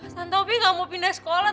tante opi gak mau pindah sekolah